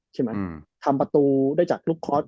ใช่ไหมทำประตูได้จากลุ่มคอร์ด